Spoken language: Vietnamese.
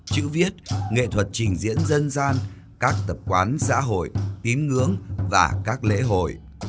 chữ viết nghệ thuật trình diễn dân gian các tập quán xã hội tím ngưỡng và các lễ hội